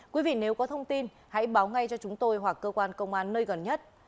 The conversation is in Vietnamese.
quý vị nếu có thông tin hãy báo ngay cho chúng tôi hoặc cơ quan công an nơi gần nhất